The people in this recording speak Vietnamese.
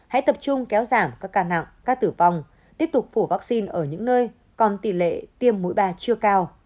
hãy tập trung kéo giảm các ca nặng ca tử vong tiếp tục phổ vaccine ở những nơi còn tỷ lệ tiêm mũi ba chưa cao